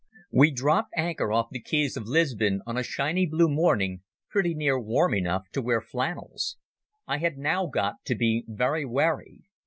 We dropped anchor off the quays of Lisbon on a shiny blue morning, pretty near warm enough to wear flannels. I had now got to be very wary.